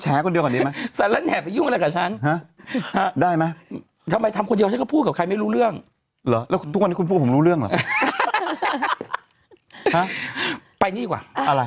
หรอแล้วทุกวันเนี่ยคุณพูดว่าผมรู้เรื่องเหรอ